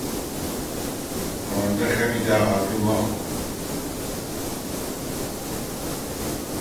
ئەوەندە خەمی داهاتوو مەخۆ.